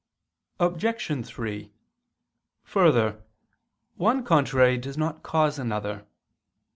Obj. 3: Further, one contrary does not cause another.